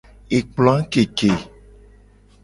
Ekploa keke.